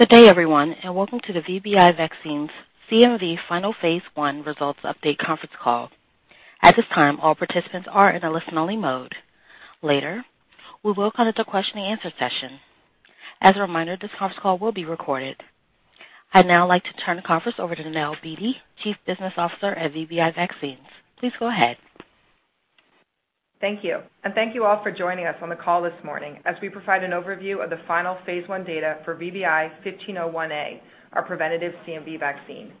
Good day everyone, welcome to the VBI Vaccines CMV Final phase I Results Update conference call. At this time, all participants are in a listen-only mode. Later, we will conduct a question and answer session. As a reminder, this conference call will be recorded. I'd now like to turn the conference over to Nell Beattie, Chief Business Officer at VBI Vaccines. Please go ahead. Thank you. Thank you all for joining us on the call this morning as we provide an overview of the final phase I data for VBI-1501A, our preventative CMV vaccine.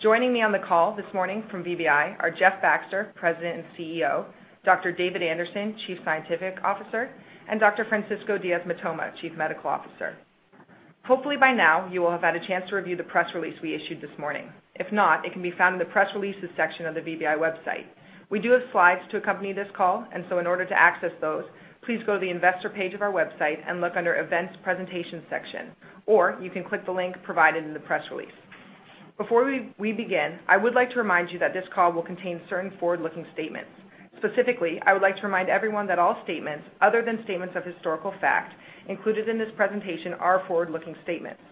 Joining me on the call this morning from VBI are Jeff Baxter, President and CEO, Dr. David Anderson, Chief Scientific Officer, and Dr. Francisco Diaz-Mitoma, Chief Medical Officer. Hopefully by now you will have had a chance to review the press release we issued this morning. If not, it can be found in the press releases section of the VBI website. We do have slides to accompany this call, in order to access those, please go to the investor page of our website and look under events presentation section, or you can click the link provided in the press release. Before we begin, I would like to remind you that this call will contain certain forward-looking statements. Specifically, I would like to remind everyone that all statements other than statements of historical fact included in this presentation are forward-looking statements.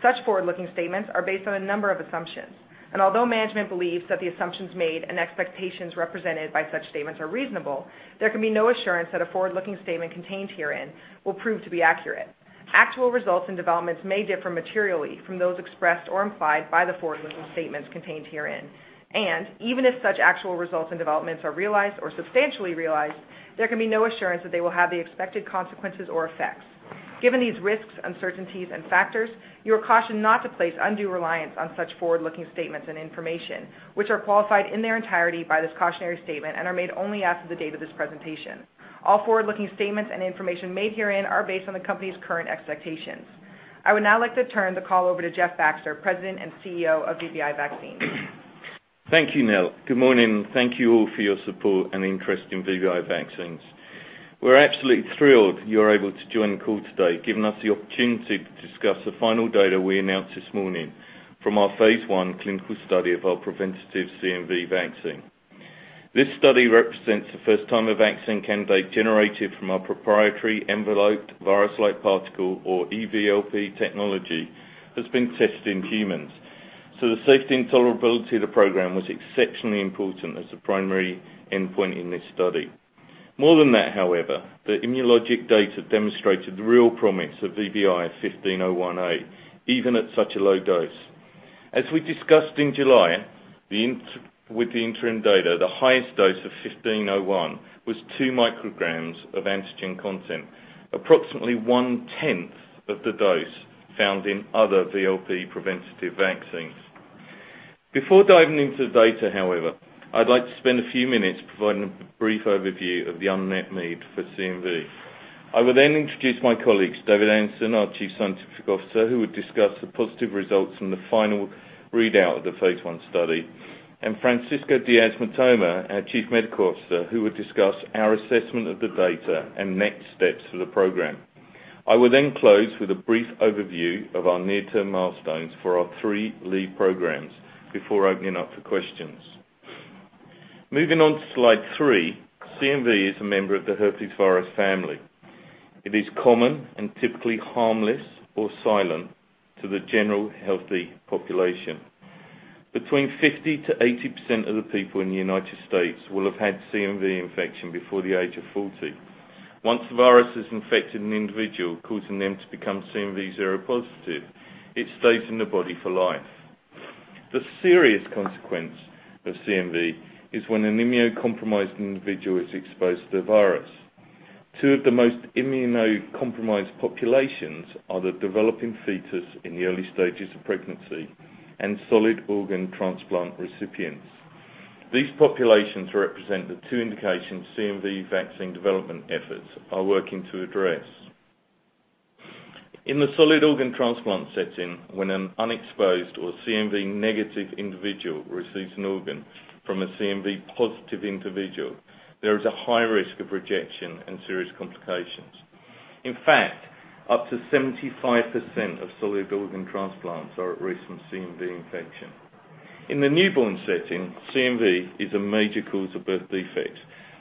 Such forward-looking statements are based on a number of assumptions, and although management believes that the assumptions made and expectations represented by such statements are reasonable, there can be no assurance that a forward-looking statement contained herein will prove to be accurate. Actual results and developments may differ materially from those expressed or implied by the forward-looking statements contained herein. Even if such actual results and developments are realized or substantially realized, there can be no assurance that they will have the expected consequences or effects. Given these risks, uncertainties and factors, you are cautioned not to place undue reliance on such forward-looking statements and information, which are qualified in their entirety by this cautionary statement and are made only as of the date of this presentation. All forward-looking statements and information made herein are based on the company's current expectations. I would now like to turn the call over to Jeff Baxter, President and CEO of VBI Vaccines. Thank you, Nell. Good morning. Thank you all for your support and interest in VBI Vaccines. We're absolutely thrilled you're able to join the call today, giving us the opportunity to discuss the final data we announced this morning from our phase I clinical study of our preventative CMV vaccine. This study represents the first time a vaccine candidate generated from our proprietary enveloped virus-like particle, or EVLP technology, has been tested in humans. The safety and tolerability of the program was exceptionally important as the primary endpoint in this study. More than that, however, the immunologic data demonstrated the real promise of VBI-1501A even at such a low dose. As we discussed in July with the interim data, the highest dose of 1501 was two micrograms of antigen content, approximately one tenth of the dose found in other VLP preventative vaccines. Before diving into the data, however, I'd like to spend a few minutes providing a brief overview of the unmet need for CMV. I will introduce my colleagues, David Anderson, our Chief Scientific Officer, who will discuss the positive results from the final readout of the phase I study, and Francisco Diaz-Mitoma, our Chief Medical Officer, who will discuss our assessment of the data and next steps for the program. I will close with a brief overview of our near-term milestones for our three lead programs before opening it up for questions. Moving on to slide three, CMV is a member of the herpes virus family. It is common and typically harmless or silent to the general healthy population. Between 50%-80% of the people in the U.S. will have had CMV infection before the age of 40. Once the virus has infected an individual, causing them to become CMV seropositive, it stays in the body for life. The serious consequence of CMV is when an immunocompromised individual is exposed to the virus. Two of the most immunocompromised populations are the developing fetus in the early stages of pregnancy and solid organ transplant recipients. These populations represent the two indications CMV vaccine development efforts are working to address. In the solid organ transplant setting, when an unexposed or CMV negative individual receives an organ from a CMV positive individual, there is a high risk of rejection and serious complications. In fact, up to 75% of solid organ transplants are at risk from CMV infection. In the newborn setting, CMV is a major cause of birth defects,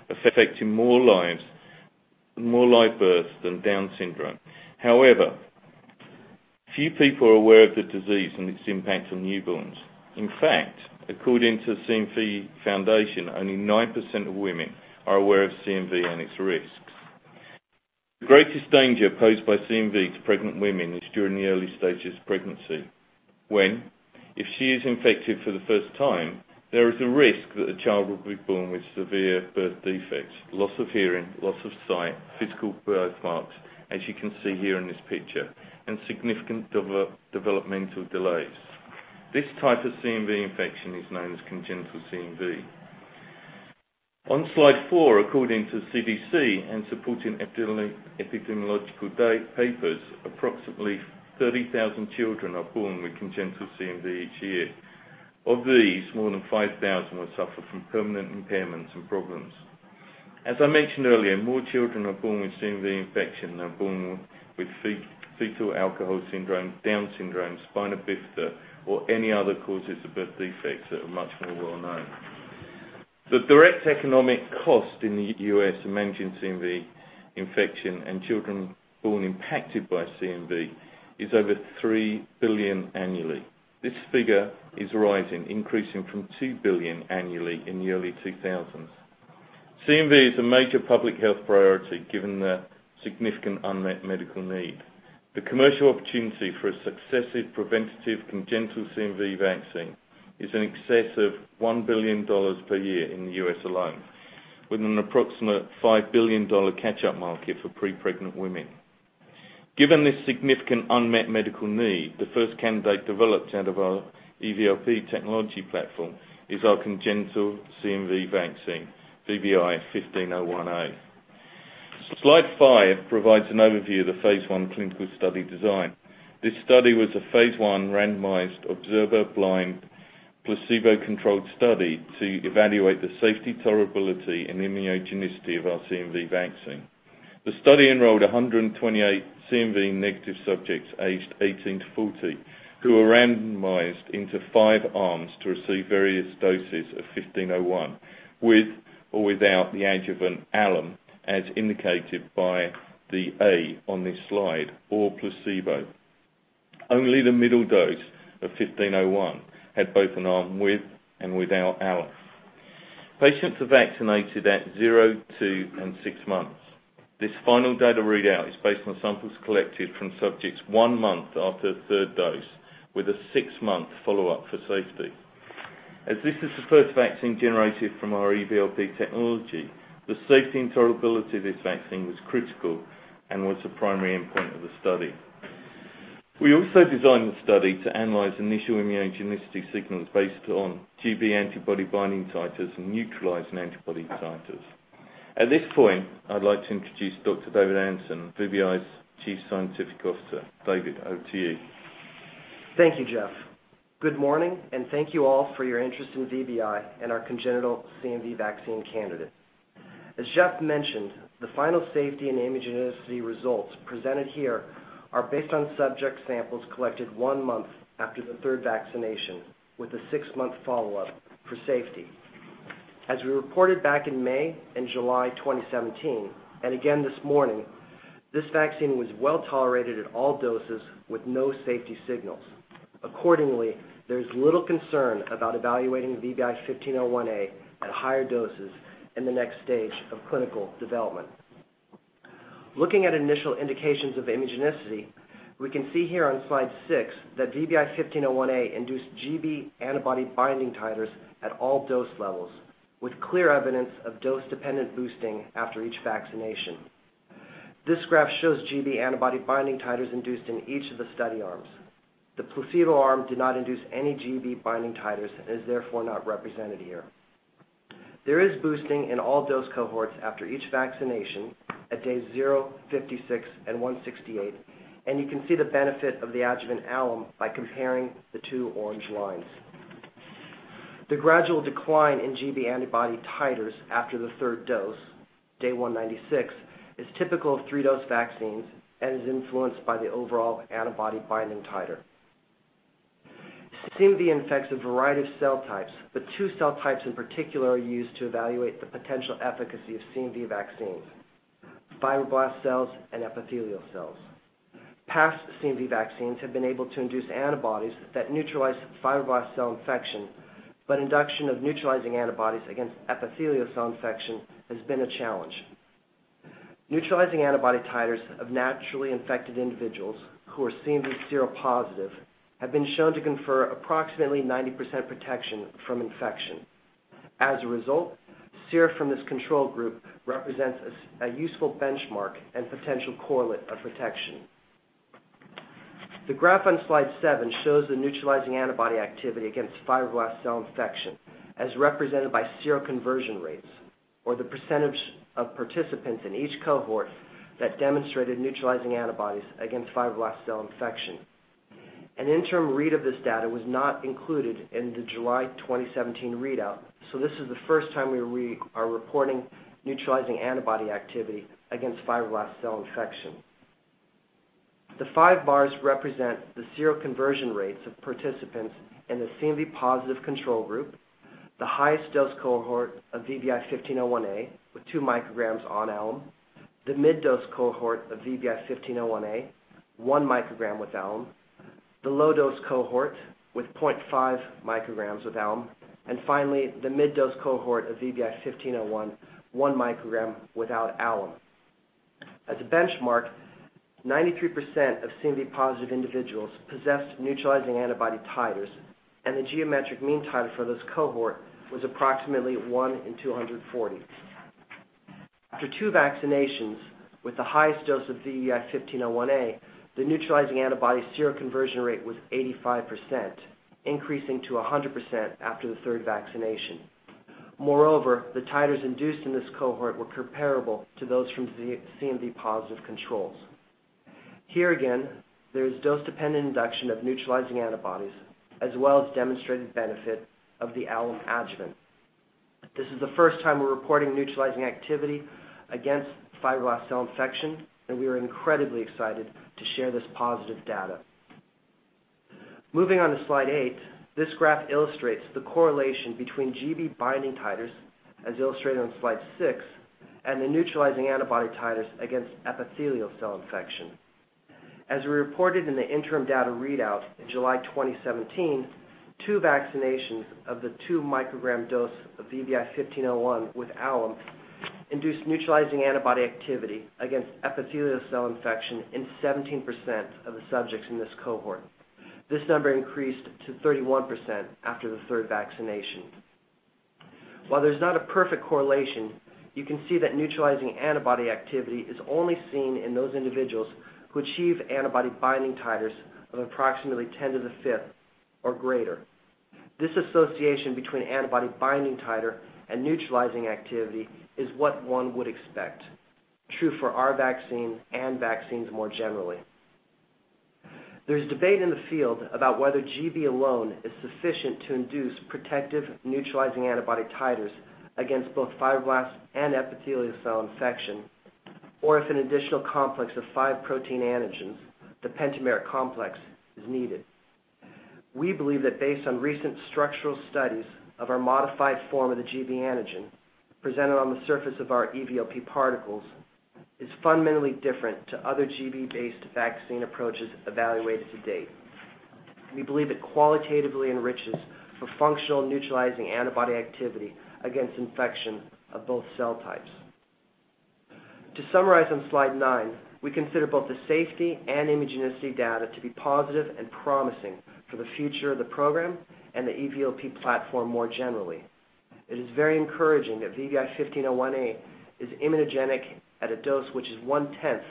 affecting more live births than Down syndrome. However, few people are aware of the disease and its impact on newborns. In fact, according to the CMV Foundation, only 9% of women are aware of CMV and its risks. The greatest danger posed by CMV to pregnant women is during the early stages of pregnancy, when, if she is infected for the first time, there is a risk that the child will be born with severe birth defects, loss of hearing, loss of sight, physical birthmarks, as you can see here in this picture, and significant developmental delays. This type of CMV infection is known as congenital CMV. On slide four, according to CDC and supporting epidemiological papers, approximately 30,000 children are born with congenital CMV each year. Of these, more than 5,000 will suffer from permanent impairments and problems. As I mentioned earlier, more children are born with CMV infection than are born with fetal alcohol syndrome, Down syndrome, spina bifida, or any other causes of birth defects that are much more well-known. The direct economic cost in the U.S. of managing CMV infection and children born impacted by CMV is over $3 billion annually. This figure is rising, increasing from $2 billion annually in the early 2000s. CMV is a major public health priority given the significant unmet medical need. The commercial opportunity for a successive preventative congenital CMV vaccine is in excess of $1 billion per year in the U.S. alone, with an approximate $5 billion catch-up market for pre-pregnant women. Given this significant unmet medical need, the first candidate developed out of our EVLP technology platform is our congenital CMV vaccine, VBI-1501A. Slide five provides an overview of the phase I clinical study design. This study was a phase I randomized observer blind placebo-controlled study to evaluate the safety, tolerability, and immunogenicity of our CMV vaccine. The study enrolled 128 CMV-negative subjects aged 18 to 40, who were randomized into five arms to receive various doses of 1501 with or without the adjuvant alum, as indicated by the A on this slide, or placebo. Only the middle dose of 1501 had both an arm with and without alum. Patients were vaccinated at zero, two, and six months. This final data readout is based on samples collected from subjects one month after the third dose, with a six-month follow-up for safety. As this is the first vaccine generated from our EVLP technology, the safety and tolerability of this vaccine was critical and was the primary endpoint of the study. We also designed the study to analyze initial immunogenicity signals based on gB antibody binding titers and neutralizing antibody titers. At this point, I'd like to introduce Dr. David Anderson, VBI's Chief Scientific Officer. David, over to you. Thank you, Jeff. Good morning. Thank you all for your interest in VBI and our congenital CMV vaccine candidate. As Jeff mentioned, the final safety and immunogenicity results presented here are based on subject samples collected one month after the third vaccination, with a six-month follow-up for safety. As we reported back in May and July 2017, and again this morning, this vaccine was well tolerated at all doses with no safety signals. Accordingly, there's little concern about evaluating VBI-1501A at higher doses in the next stage of clinical development. Looking at initial indications of immunogenicity, we can see here on slide six that VBI-1501A induced gB antibody binding titers at all dose levels, with clear evidence of dose-dependent boosting after each vaccination. This graph shows gB antibody binding titers induced in each of the study arms. The placebo arm did not induce any gB binding titers and is therefore not represented here. There is boosting in all dose cohorts after each vaccination at days 0, 56, and 168. You can see the benefit of the adjuvant alum by comparing the two orange lines. The gradual decline in gB antibody titers after the third dose, day 196, is typical of three-dose vaccines and is influenced by the overall antibody binding titer. CMV affects a variety of cell types, but two cell types in particular are used to evaluate the potential efficacy of CMV vaccines, fibroblast cells and epithelial cells. Past CMV vaccines have been able to induce antibodies that neutralize fibroblast cell infection, but induction of neutralizing antibodies against epithelial cell infection has been a challenge. Neutralizing antibody titers of naturally infected individuals who are CMV seropositive have been shown to confer approximately 90% protection from infection. As a result, sera from this control group represents a useful benchmark and potential correlate of protection. The graph on slide seven shows the neutralizing antibody activity against fibroblast cell infection, as represented by seroconversion rates or the percentage of participants in each cohort that demonstrated neutralizing antibodies against fibroblast cell infection. An interim read of this data was not included in the July 2017 readout. This is the first time we are reporting neutralizing antibody activity against fibroblast cell infection. The five bars represent the seroconversion rates of participants in the CMV positive control group, the highest dose cohort of VBI-1501A with 2 micrograms on alum, the mid-dose cohort of VBI-1501A, 1 microgram with alum, the low dose cohort with 0.5 micrograms with alum, and finally, the mid-dose cohort of VBI-1501, 1 microgram without alum. As a benchmark, 93% of CMV positive individuals possessed neutralizing antibody titers, and the geometric mean titer for this cohort was approximately 1 in 240. After 2 vaccinations with the highest dose of VBI-1501A, the neutralizing antibody seroconversion rate was 85%, increasing to 100% after the third vaccination. Moreover, the titers induced in this cohort were comparable to those from the CMV positive controls. Here again, there is dose-dependent induction of neutralizing antibodies, as well as demonstrated benefit of the alum adjuvant. This is the first time we're reporting neutralizing activity against fibroblast cell infection. We are incredibly excited to share this positive data. Moving on to slide eight, this graph illustrates the correlation between gB binding titers, as illustrated on slide six, and the neutralizing antibody titers against epithelial cell infection. As we reported in the interim data readout in July 2017, 2 vaccinations of the 2 microgram dose of VBI-1501 with alum induced neutralizing antibody activity against epithelial cell infection in 17% of the subjects in this cohort. This number increased to 31% after the third vaccination. While there's not a perfect correlation, you can see that neutralizing antibody activity is only seen in those individuals who achieve antibody binding titers of approximately 10 to the 5th or greater. This association between antibody binding titer and neutralizing activity is what one would expect, true for our vaccine and vaccines more generally. There is debate in the field about whether gB alone is sufficient to induce protective neutralizing antibody titers against both fibroblast and epithelial cell infection, or if an additional complex of five protein antigens, the pentameric complex, is needed. We believe that based on recent structural studies of our modified form of the gB antigen presented on the surface of our EVLP particles, is fundamentally different to other gB-based vaccine approaches evaluated to date. We believe it qualitatively enriches for functional neutralizing antibody activity against infection of both cell types. To summarize on slide nine, we consider both the safety and immunogenicity data to be positive and promising for the future of the program and the EVLP platform more generally. It is very encouraging that VBI-1501A is immunogenic at a dose which is one-tenth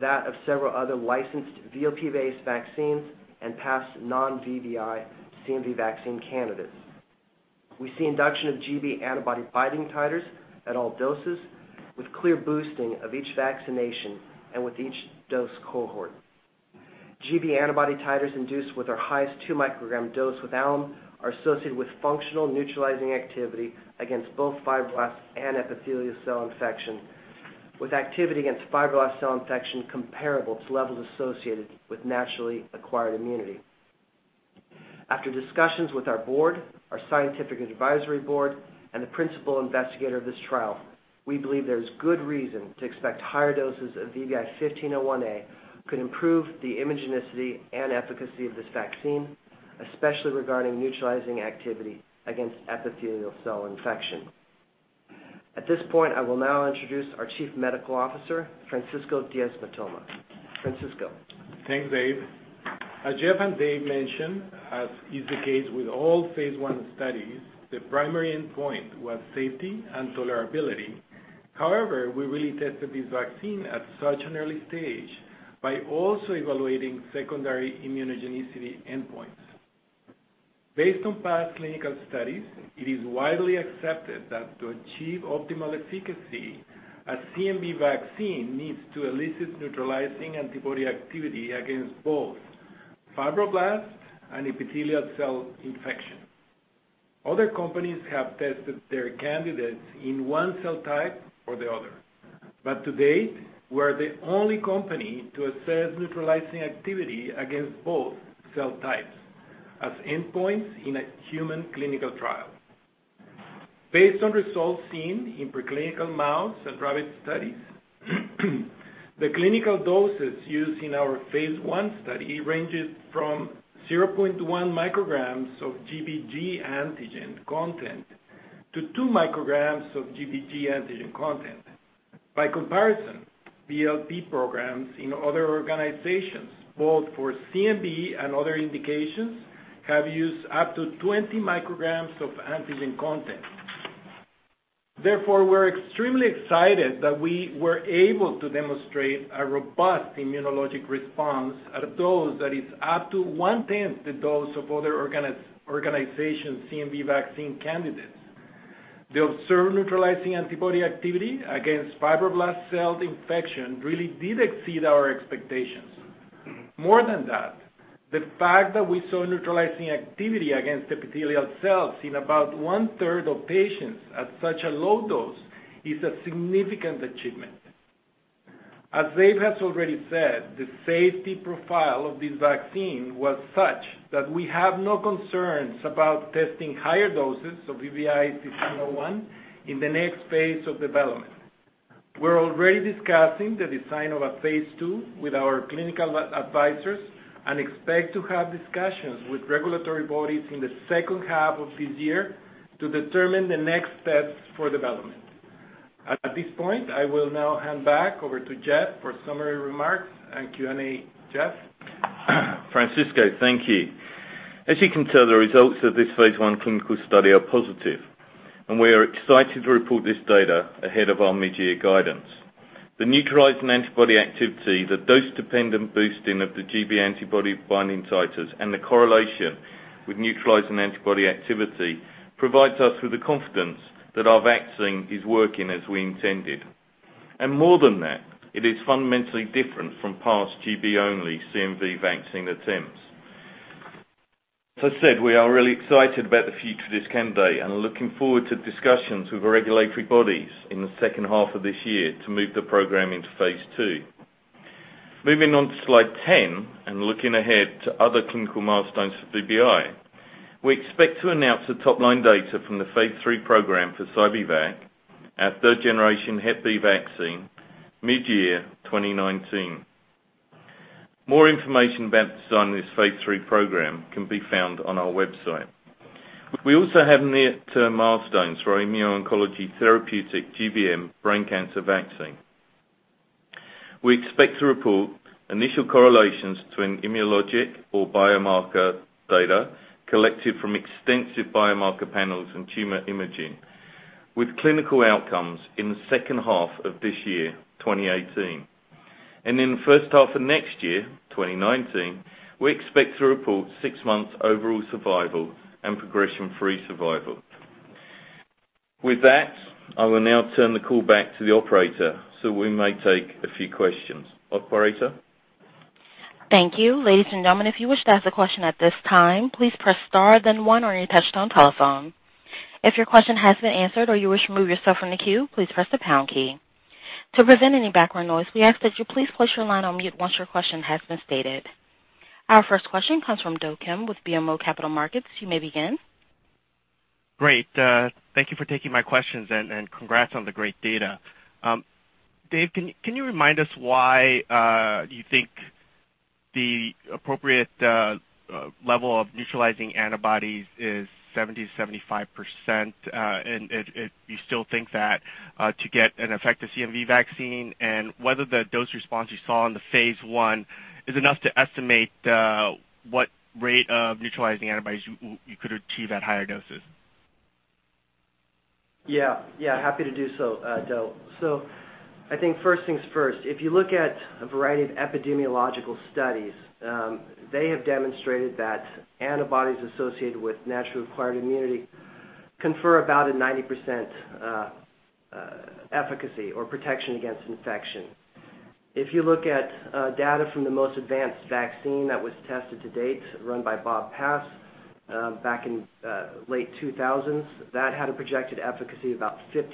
that of several other licensed VLP-based vaccines and past non-VBI CMV vaccine candidates. We see induction of gB antibody binding titers at all doses with clear boosting of each vaccination and with each dose cohort. gB antibody titers induced with our highest two microgram dose with alum are associated with functional neutralizing activity against both fibroblast and epithelial cell infection, with activity against fibroblast cell infection comparable to levels associated with naturally acquired immunity. After discussions with our board, our scientific advisory board, and the principal investigator of this trial, we believe there is good reason to expect higher doses of VBI-1501A could improve the immunogenicity and efficacy of this vaccine, especially regarding neutralizing activity against epithelial cell infection. At this point, I will now introduce our Chief Medical Officer, Francisco Diaz-Mitoma. Francisco? Thanks, Dave. As Jeff and Dave mentioned, as is the case with all phase I studies, the primary endpoint was safety and tolerability. However, we really tested this vaccine at such an early stage by also evaluating secondary immunogenicity endpoints. Based on past clinical studies, it is widely accepted that to achieve optimal efficacy, a CMV vaccine needs to elicit neutralizing antibody activity against both fibroblast and epithelial cell infection. Other companies have tested their candidates in one cell type or the other. But to date, we're the only company to assess neutralizing activity against both cell types as endpoints in a human clinical trial. Based on results seen in preclinical mouse and rabbit studies, the clinical doses used in our phase I study ranges from 0.1 micrograms of gB antigen content to two micrograms of gB antigen content. By comparison, VLP programs in other organizations, both for CMV and other indications, have used up to 20 micrograms of antigen content. Therefore, we're extremely excited that we were able to demonstrate a robust immunologic response at a dose that is up to one-tenth the dose of other organizations' CMV vaccine candidates. The observed neutralizing antibody activity against fibroblast cell infection really did exceed our expectations. More than that, the fact that we saw neutralizing activity against epithelial cells in about one-third of patients at such a low dose is a significant achievement. As Dave has already said, the safety profile of this vaccine was such that we have no concerns about testing higher doses of VBI-1501 in the next phase of development. We're already discussing the design of a phase II with our clinical advisors and expect to have discussions with regulatory bodies in the second half of this year to determine the next steps for development. At this point, I will now hand back over to Jeff for summary remarks and Q&A. Jeff? Francisco, thank you. As you can tell, the results of this phase I clinical study are positive, and we are excited to report this data ahead of our mid-year guidance. The neutralizing antibody activity, the dose-dependent boosting of the gB antibody binding titers, and the correlation with neutralizing antibody activity provides us with the confidence that our vaccine is working as we intended. More than that, it is fundamentally different from past gB-only CMV vaccine attempts. As I said, we are really excited about the future of this candidate and are looking forward to discussions with regulatory bodies in the second half of this year to move the program into phase II. Moving on to slide 10 and looking ahead to other clinical milestones for VBI, we expect to announce the top-line data from the phase III program for Sci-B-Vac, our third-generation Hepatitis B vaccine, mid-year 2019. More information about the design of this phase III program can be found on our website. We also have near-term milestones for our immuno- oncology therapeutic GBM brain cancer vaccine. We expect to report initial correlations to an immunologic or biomarker data collected from extensive biomarker panels and tumor imaging with clinical outcomes in the second half of this year, 2018. In the first half of next year, 2019, we expect to report six months' overall survival and progression-free survival. With that, I will now turn the call back to the operator so we may take a few questions. Operator? Thank you. Ladies and gentlemen, if you wish to ask a question at this time, please press star then one on your touch-tone telephone. If your question has been answered or you wish to remove yourself from the queue, please press the pound key. To prevent any background noise, we ask that you please place your line on mute once your question has been stated. Our first question comes from Do Kim with BMO Capital Markets. You may begin. Great. Thank you for taking my questions, congrats on the great data. Dave, can you remind us why you think the appropriate level of neutralizing antibodies is 70%-75%? If you still think that to get an effective CMV vaccine and whether the dose response you saw in the phase I is enough to estimate what rate of neutralizing antibodies you could achieve at higher doses. Yeah. Happy to do so, Do. I think first things first. If you look at a variety of epidemiological studies, they have demonstrated that antibodies associated with naturally acquired immunity confer about a 90% efficacy or protection against infection. If you look at data from the most advanced vaccine that was tested to date, run by Robert Pass, back in late 2000s, that had a projected efficacy of about 50%.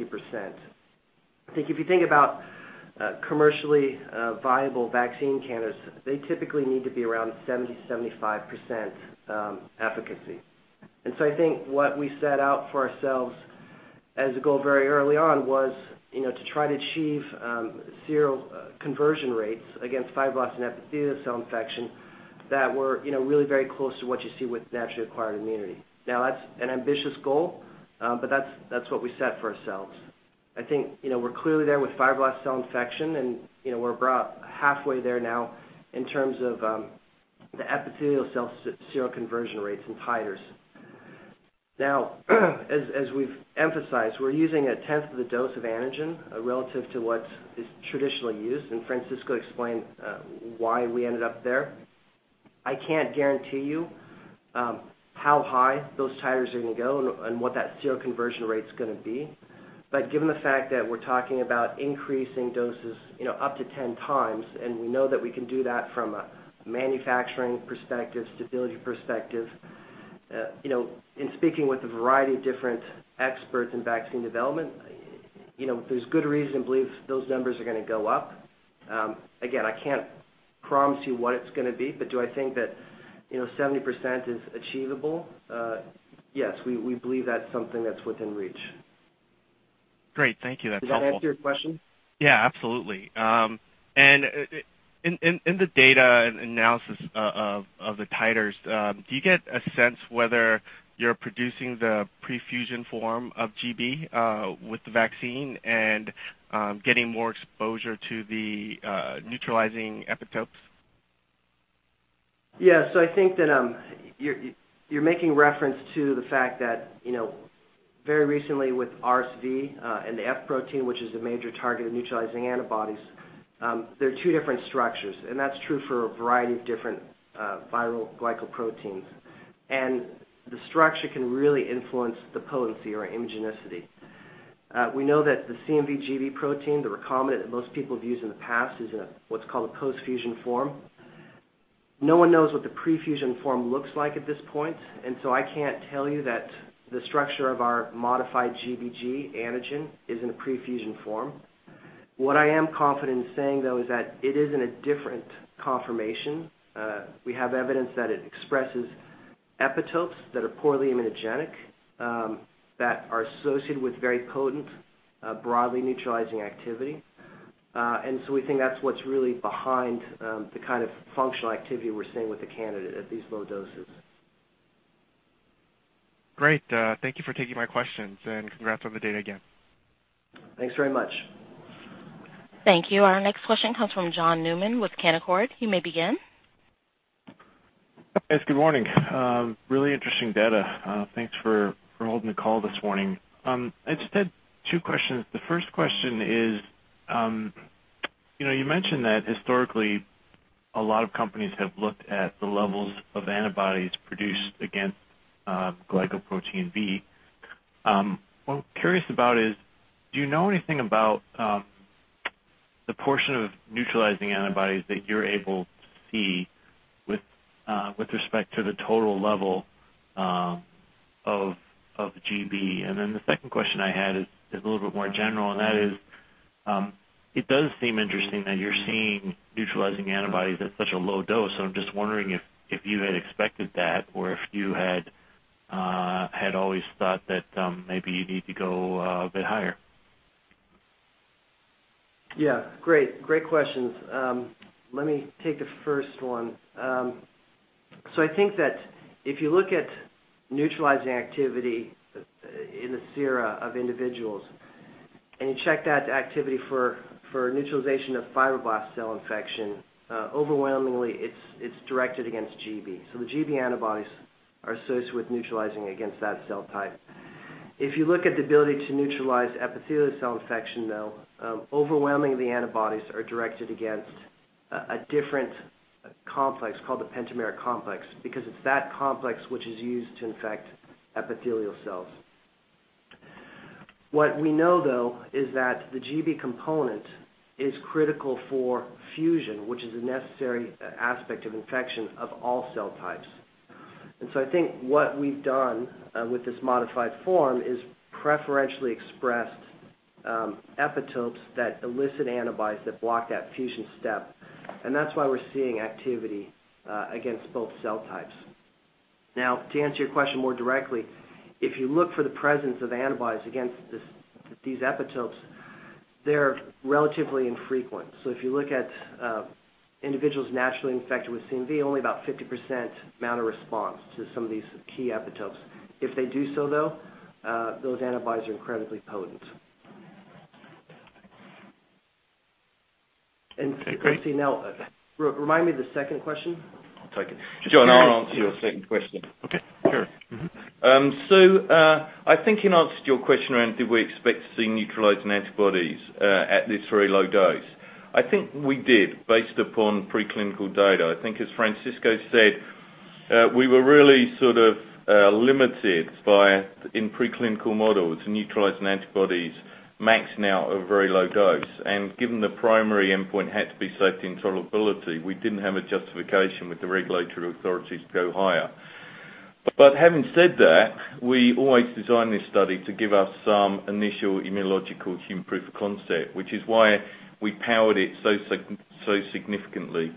I think if you think about commercially viable vaccine candidates, they typically need to be around 70%-75% efficacy. I think what we set out for ourselves as a goal very early on was to try to achieve seroconversion rates against fibroblasts and epithelial cell infection that were really very close to what you see with naturally acquired immunity. Now, that's an ambitious goal. That's what we set for ourselves. I think we're clearly there with fibroblast cell infection, and we're about halfway there now in terms of the epithelial cell seroconversion rates and titers. Now, as we've emphasized, we're using a tenth of the dose of antigen relative to what is traditionally used, and Francisco explained why we ended up there. I can't guarantee you how high those titers are going to go and what that seroconversion rate's going to be. Given the fact that we're talking about increasing doses up to 10 times, we know that we can do that from a manufacturing perspective, stability perspective. In speaking with a variety of different experts in vaccine development, there's good reason to believe those numbers are going to go up. Again, I can't promise you what it's going to be, do I think that 70% is achievable? Yes. We believe that's something that's within reach. Great. Thank you. That's helpful. Does that answer your question? Yeah, absolutely. In the data analysis of the titers, do you get a sense whether you're producing the pre-fusion form of gB with the vaccine and getting more exposure to the neutralizing epitopes? Yeah. I think that you're making reference to the fact that very recently with RSV and the F protein, which is a major target of neutralizing antibodies, they're two different structures. That's true for a variety of different viral glycoproteins. The structure can really influence the potency or immunogenicity. We know that the CMV gB protein, the recombinant that most people have used in the past, is what's called a post-fusion form. No one knows what the pre-fusion form looks like at this point, and so I can't tell you that the structure of our modified gB antigen is in a pre-fusion form. What I am confident in saying, though, is that it is in a different conformation. We have evidence that it expresses epitopes that are poorly immunogenic, that are associated with very potent, broadly neutralizing activity. We think that's what's really behind the kind of functional activity we're seeing with the candidate at these low doses. Great. Thank you for taking my questions, and congrats on the data again. Thanks very much. Thank you. Our next question comes from John Newman with Canaccord. You may begin. Yes, good morning. Really interesting data. Thanks for holding the call this morning. I just had two questions. The first question is, you mentioned that historically a lot of companies have looked at the levels of antibodies produced against glycoprotein B. What I'm curious about is, do you know anything about The portion of neutralizing antibodies that you're able to see with respect to the total level of gB. The second question I had is a little bit more general, and that is, it does seem interesting that you're seeing neutralizing antibodies at such a low dose. I'm just wondering if you had expected that or if you had always thought that maybe you need to go a bit higher. Yeah. Great questions. Let me take the first one. I think that if you look at neutralizing activity in the sera of individuals, and you check that activity for neutralization of fibroblast cell infection, overwhelmingly, it's directed against gB. The gB antibodies are associated with neutralizing against that cell type. If you look at the ability to neutralize epithelial cell infection, though, overwhelmingly, antibodies are directed against a different complex called the pentameric complex, because it's that complex which is used to infect epithelial cells. What we know, though, is that the gB component is critical for fusion, which is a necessary aspect of infection of all cell types. I think what we've done with this modified form is preferentially expressed epitopes that elicit antibodies that block that fusion step. That's why we're seeing activity against both cell types. Now, to answer your question more directly, if you look for the presence of antibodies against these epitopes, they're relatively infrequent. If you look at individuals naturally infected with CMV, only about 50% mount a response to some of these key epitopes. If they do so, though, those antibodies are incredibly potent. Let's see now, remind me of the second question. I'll take it. John, I'll answer your second question. Okay, sure. Mm-hmm. I think in answer to your question around did we expect to see neutralizing antibodies at this very low dose, I think we did, based upon preclinical data. I think as Francisco said, we were really sort of limited by, in preclinical models, neutralizing antibodies maxing out at a very low dose. Given the primary endpoint had to be safety and tolerability, we didn't have a justification with the regulatory authorities to go higher. Having said that, we always designed this study to give us some initial immunological human proof of concept, which is why we powered it so significantly.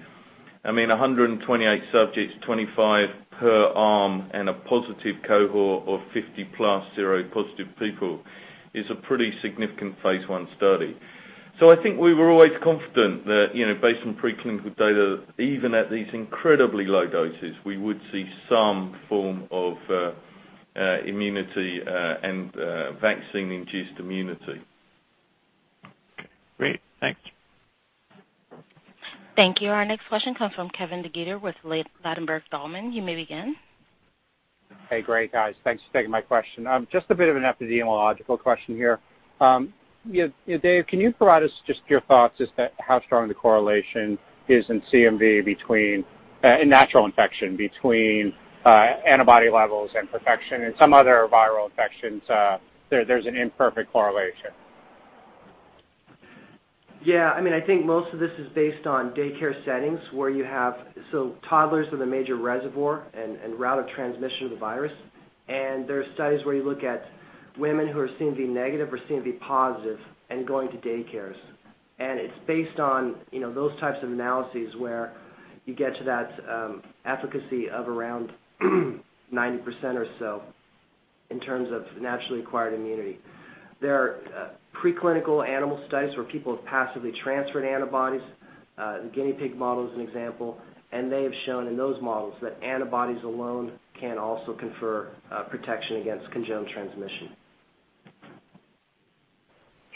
I mean, 128 subjects, 25 per arm, and a positive cohort of 50-plus seropositive people is a pretty significant phase I study. I think we were always confident that based on preclinical data, even at these incredibly low doses, we would see some form of immunity and vaccine-induced immunity. Okay. Great. Thank you. Thank you. Our next question comes from Kevin DeGeeter with Ladenburg Thalmann. You may begin. Hey. Great, guys. Thanks for taking my question. Just a bit of an epidemiological question here. Dave, can you provide us just your thoughts as to how strong the correlation is in CMV between a natural infection, between antibody levels and protection, and some other viral infections there's an imperfect correlation? Yeah. I think most of this is based on daycare settings where you have toddlers are the major reservoir and route of transmission of the virus. There's studies where you look at women who are CMV negative or CMV positive and going to daycares, and it's based on those types of analyses where you get to that efficacy of around 90% or so in terms of naturally acquired immunity. There are preclinical animal studies where people have passively transferred antibodies. The guinea pig model is an example, and they have shown in those models that antibodies alone can also confer protection against congenital transmission.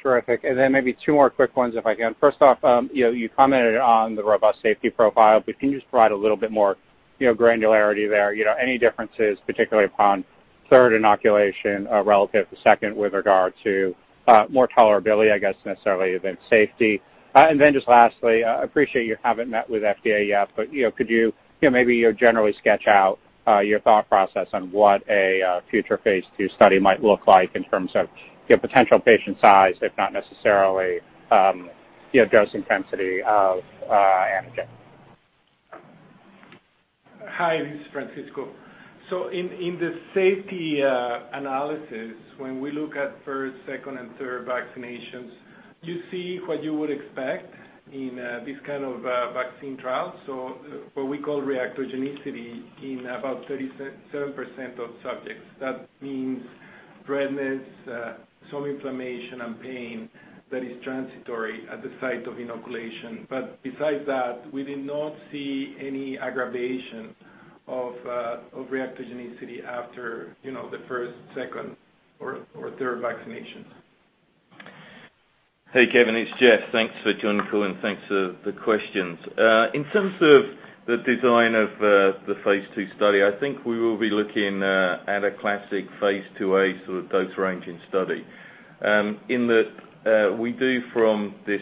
Terrific. Maybe two more quick ones, if I can. First off, you commented on the robust safety profile. Can you just provide a little bit more granularity there? Any differences, particularly upon third inoculation relative to second with regard to more tolerability, I guess, necessarily than safety. Just lastly, I appreciate you haven't met with FDA yet. Could you maybe generally sketch out your thought process on what a future phase II study might look like in terms of potential patient size, if not necessarily dose intensity of antigen? Hi, this is Francisco. In the safety analysis, when we look at first, second, and third vaccinations, you see what you would expect in this kind of vaccine trial. What we call reactogenicity in about 37% of subjects. That means redness, some inflammation, and pain that is transitory at the site of inoculation. Besides that, we did not see any aggravation of reactogenicity after the first, second, or third vaccinations. Hey, Kevin, it's Jeff. Thanks for joining, and thanks for the questions. In terms of the design of the phase II study, I think we will be looking at a classic phase IIa sort of dose-ranging study. In that we do from this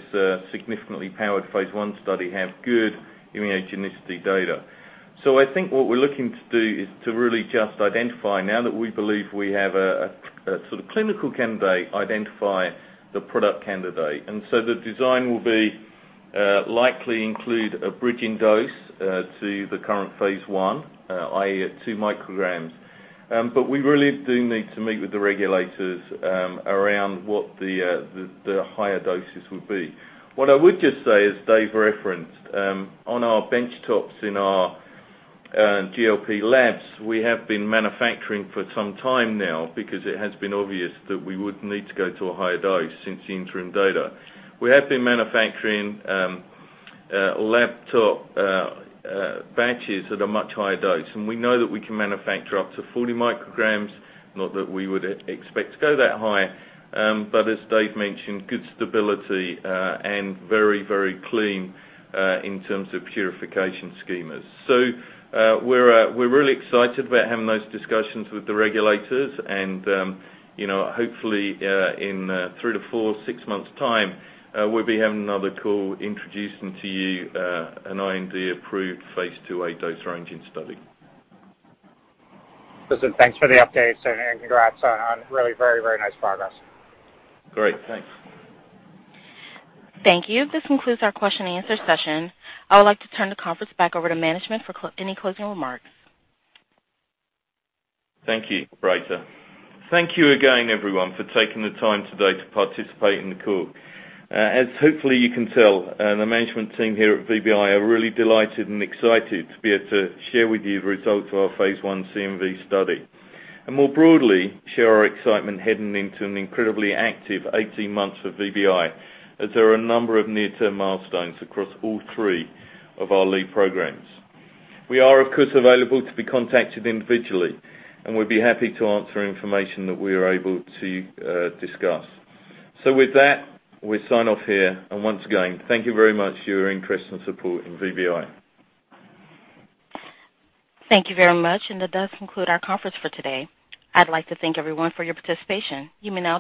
significantly powered phase I study have good immunogenicity data. I think what we're looking to do is to really just identify, now that we believe we have a sort of clinical candidate, identify the product candidate. The design will likely include a bridging dose to the current phase I, i.e., 2 micrograms. We really do need to meet with the regulators around what the higher doses would be. What I would just say, as Dave referenced, on our benchtops in our GLP labs, we have been manufacturing for some time now because it has been obvious that we would need to go to a higher dose since the interim data. We have been manufacturing lab-scale batches at a much higher dose. We know that we can manufacture up to 40 micrograms, not that we would expect to go that high. As Dave mentioned, good stability, and very clean in terms of purification schemas. We're really excited about having those discussions with the regulators and hopefully in three to four, six months' time, we'll be having another call introducing to you an IND-approved phase IIa dose ranging study. thanks for the update, congrats on a really very nice progress. Great, thanks. Thank you. This concludes our question and answer session. I would like to turn the conference back over to management for any closing remarks. Thank you, Rachel. Thank you again, everyone, for taking the time today to participate in the call. As hopefully you can tell, the management team here at VBI are really delighted and excited to be able to share with you the results of our phase I CMV study. More broadly, share our excitement heading into an incredibly active 18 months for VBI, as there are a number of near-term milestones across all three of our lead programs. We are, of course, available to be contacted individually, and we'd be happy to answer information that we are able to discuss. With that, we sign off here, and once again, thank you very much for your interest and support in VBI. Thank you very much. That does conclude our conference for today. I'd like to thank everyone for your participation. You may now disconnect.